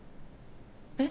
えっ？